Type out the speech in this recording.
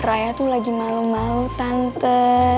raya tuh lagi malu malu tante